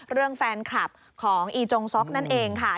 เรื่องแฟนคลับของอีจงซ็อกนั่นเองค่ะ